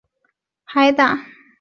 牡丹虾海胆